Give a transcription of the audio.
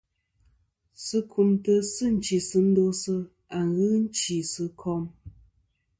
Sɨ kumtɨ sɨ nchisɨndo a ghɨ chɨ'sɨ kom.